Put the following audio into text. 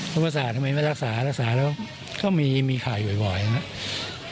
โรคประสาททำไมไม่รักษารักษาแล้วก็มีมีไข่บ่อยบ่อยนะฮะ